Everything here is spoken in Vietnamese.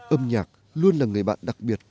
âm nhạc luôn là người bạn đặc biệt